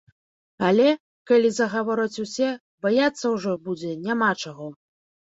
Але калі загавораць усе, баяцца ўжо будзе няма чаго.